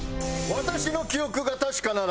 私の記憶が確かなら。